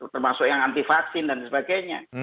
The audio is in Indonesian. termasuk yang anti vaksin dan sebagainya